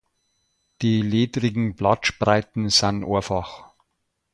Die ledrigen Blattspreiten sind einfach.